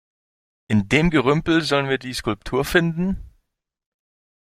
In dem Gerümpel sollen wir die Skulptur finden?